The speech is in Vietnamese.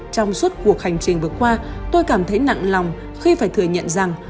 trong suốt cuộc hành trình vừa qua tôi cảm thấy nặng lòng khi phải thừa nhận rằng